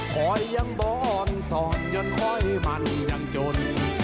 คอยยังบอนสอนยนคอยมันยังจน